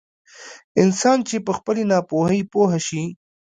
انسان چې په خپلې ناپوهي پوه شي.